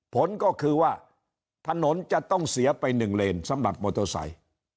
ผลก็คือว่าถนนจะต้องเสียไปหนึ่งเลนสำหรับมอโตซัย